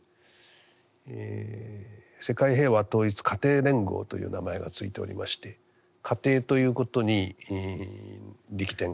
世界平和統一家庭連合という名前が付いておりまして家庭ということに力点がある。